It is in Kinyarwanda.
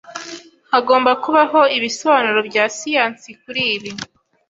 Hagomba kubaho ibisobanuro bya siyansi kuri ibi.